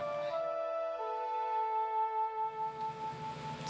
kau sudah selesai mencari kemampuan untuk mencari kemampuan